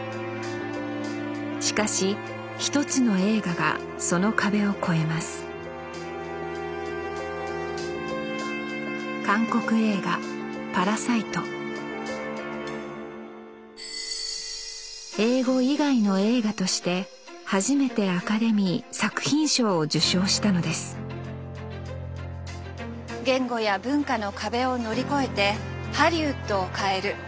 しかし一つの映画がその壁を越えます英語以外の映画として初めてアカデミー作品賞を受賞したのです言語や文化の壁を乗り越えてハリウッドを変える。